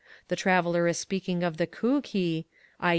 The Traveller is speaking of the Chughi, i.